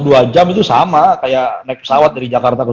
dua jam itu sama kayak naik pesawat dari jakarta ke